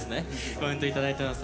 コメントいただいてます。